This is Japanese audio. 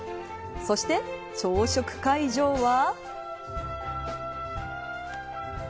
そして、朝食会場は。